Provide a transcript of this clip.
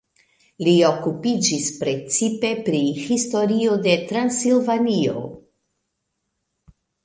Li okupiĝis precipe pri historio de Transilvanio.